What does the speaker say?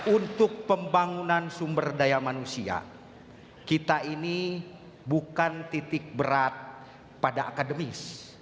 untuk pembangunan sumber daya manusia kita ini bukan titik berat pada akademis